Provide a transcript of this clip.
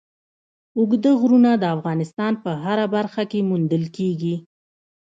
اوږده غرونه د افغانستان په هره برخه کې موندل کېږي.